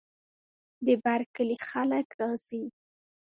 د بر کلي خلک راځي.